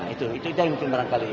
itu itu yang mungkin barangkali